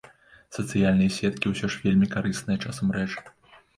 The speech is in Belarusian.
Сацыяльныя сеткі ўсё ж вельмі карысная часам рэч.